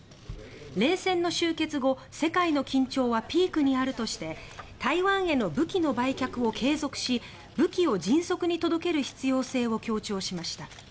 冷戦の終結後世界の緊張はピークにあるとして台湾への武器の売却を継続し武器を迅速に届ける必要性を強調しました。